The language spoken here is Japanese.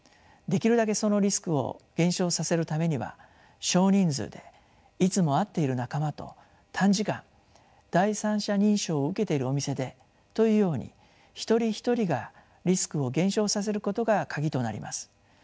できるだけそのリスクを減少させるためには少人数でいつも会っている仲間と短時間第三者認証を受けているお店でというように一人一人がリスクを減少させることがカギとなります。